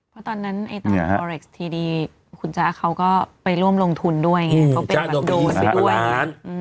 เพราะตอนนั้นไอ้ตรอลเล็กซ์ทีดีคุณจ๊ะเขาก็ไปร่วมลงทุนด้วยไง